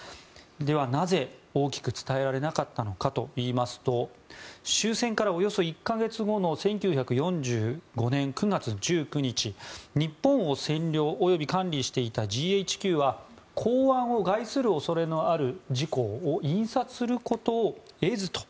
では、なぜ大きく伝えられなかったのかといいますと終戦からおよそ１か月後の１９４５年９月１９日日本を占領、および管理していたＧＨＱは公安を害する恐れのある事項を印刷することを得ずと。